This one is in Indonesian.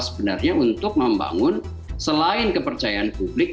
sebenarnya untuk membangun selain kepercayaan publik